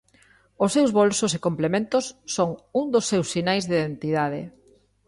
Os seus bolsos e complementos son un dos seus sinais de identidade.